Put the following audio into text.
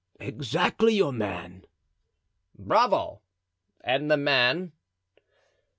"Exactly your man." "Bravo! and the man?"